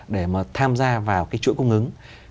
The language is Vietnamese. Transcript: để mà tham gia vào cái chuỗi cung ứng